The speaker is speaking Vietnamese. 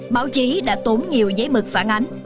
báo chí đã tốn nhiều giấy mực phản ánh